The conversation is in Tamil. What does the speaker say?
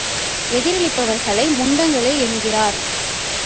எதிரிலிருப்பவர்களை முண்டங்களே என்கிறார்.